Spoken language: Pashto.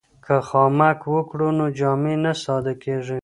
که خامک وکړو نو جامې نه ساده کیږي.